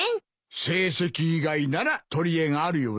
成績以外なら取りえがあるようだな。